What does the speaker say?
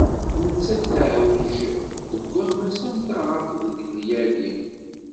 Nettat teɛweǧ deg ammas am taɣaṭ deg llyali.